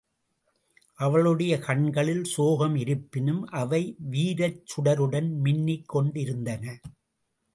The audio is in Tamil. அவளுடைய கண்களில் சோகம் இருப்பினும், அவை வீரச் சுடருடன் மின்னிக் கொண்டிருந்தன.